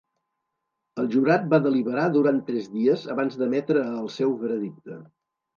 El jurat va deliberar durant tres dies abans d'emetre el seu veredicte.